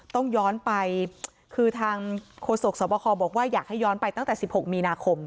ต้องย้อนไปคือทางโฆษกสวบคบอกว่าอยากให้ย้อนไปตั้งแต่๑๖มีนาคม